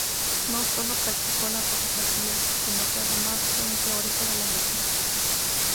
No sólo practicó la fotografía, sino que además fue un teórico de la misma.